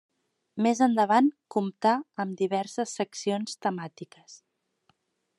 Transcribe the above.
Més endavant comptà amb diverses seccions temàtiques.